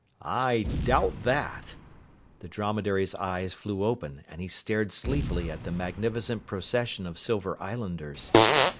"I doubt that!" The dromedary's eyes flew open, and he stared sleepily at the magnificent procession of Silver Islanders.